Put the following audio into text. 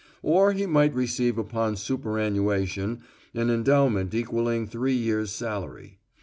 Or he might receive, upon superannuation, an endowment equaling three years' salary.